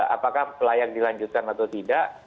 apakah layak dilanjutkan atau tidak